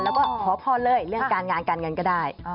แล้วก็ขอพรเลยเรื่องการงานการเงินก็ได้